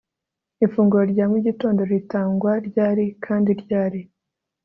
Ifunguro rya mugitondo ritangwa ryari kandi ryari